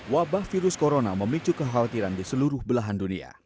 wabah virus corona memicu kekhawatiran di seluruh belahan dunia